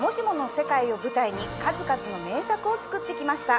世界を舞台に数々の名作を作ってきました。